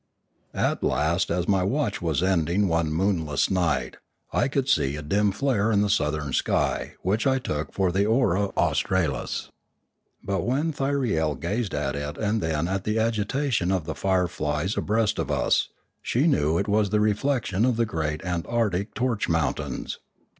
At last as my watch was ending one moonless night I could see a dim flare in the southern sky which I took for the aurora australis. But when Thyriel gazed at it and then at the agitation of the fireflies abreast of us, she knew it was the reflection of the great antarctic torch mountains.